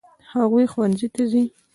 هغوی ښوونځي ته ځي.